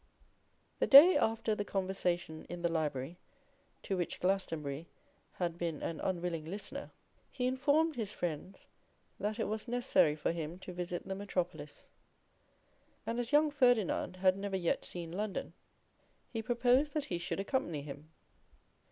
_ THE day after the conversation in the library to which Glastonbury had been an unwilling listener, he informed his friends that it was necessary for him to visit the metropolis; and as young Ferdinand had never yet seen London, he proposed that he should accompany him.